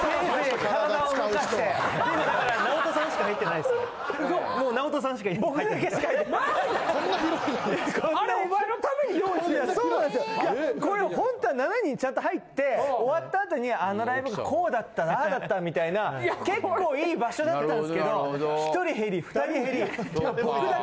いやこれ本当は７人ちゃんと入って終わった後にあのライブこうだったああだったみたいな結構いい場所だったんすけど１人減り２人減り。